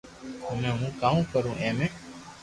ھمي ھون ڪاوُ ڪرو اي مي